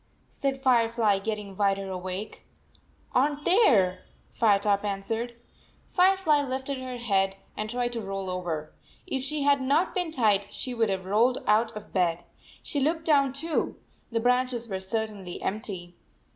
" said Firefly, getting wider awake. "Are n t there," Firetop answered. Firefly lifted her head and tried to roll over. If she had not been tied she would have rolled out of bed. She looked down, too. The branches were certainly empty.